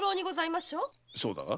そうだが？